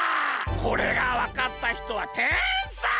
これがわかったひとはてんさい！